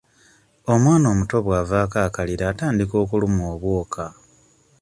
Omwana omuto bw'avaako akalira atandika okulumwa obwoka.